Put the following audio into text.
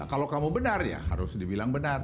kalau kamu benar ya harus dibilang benar